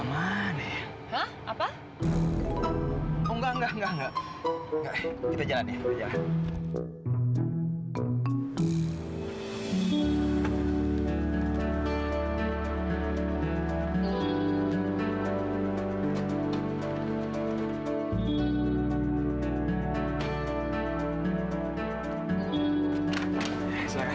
sampai jumpa di video selanjutnya